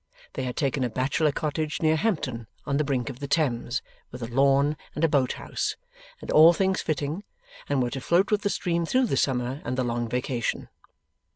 They had taken a bachelor cottage near Hampton, on the brink of the Thames, with a lawn, and a boat house; and all things fitting, and were to float with the stream through the summer and the Long Vacation.